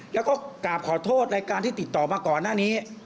แล้วก็กราบขอโทษรายการที่ติดต่อมาก่อนหน้านี้